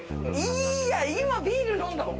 いいや今ビール飲んだもん。